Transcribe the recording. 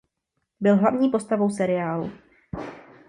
Byla hlavní postavou v seriálu.